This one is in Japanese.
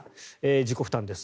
自己負担です。